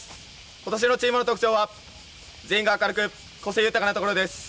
今年のチームの特徴は全員が明るく個性豊かなところです。